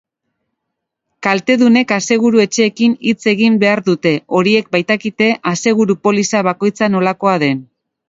Kaltedunek aseguru-etxeekin hitz egin behar dute, horiek baitakite aseguru-poliza bakoitza nolakoa den.